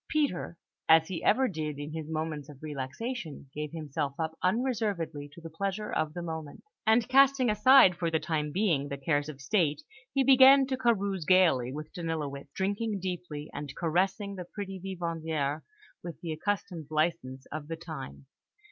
Peter, as he ever did in his moments of relaxation, gave himself up unreservedly to the pleasure of the moment; and casting aside for the time being the cares of State, he began to carouse gaily with Danilowitz, drinking deeply, and caressing the pretty vivandières with the accustomed licence of the times.